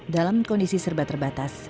dalam kondisi serba terbatas